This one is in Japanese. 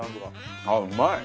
あっうまい！